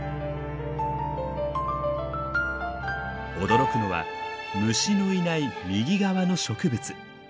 驚くのは虫のいない右側の植物。